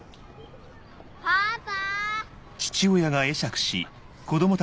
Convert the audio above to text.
パパ！